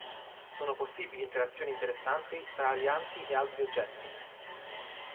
Sono possibili interazioni interessanti tra alianti e altri oggetti.